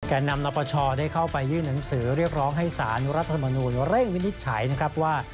นำนปชได้เข้าไปยื่นหนังสือเรียกร้องให้สารรัฐมนูลเร่งวินิจฉัยนะครับว่า